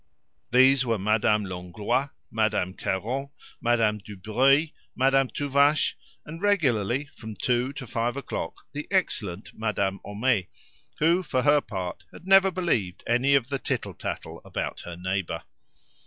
These were Madame Langlois, Madame Caron, Madame Dubreuil, Madame Tuvache, and regularly from two to five o'clock the excellent Madame Homais, who, for her part, had never believed any of the tittle tattle about her neighbour.